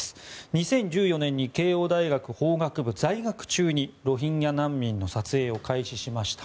２０１４年に慶應大学法学部在学中にロヒンギャ難民の撮影を開始しました。